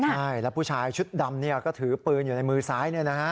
ใช่แล้วผู้ชายชุดดำก็ถือปืนอยู่ในมือซ้าย